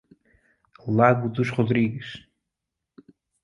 Lago dos Rodrigues